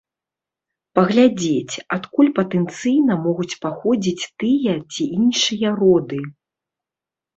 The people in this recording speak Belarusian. Паглядзець, адкуль патэнцыйна могуць паходзіць тыя ці іншыя роды.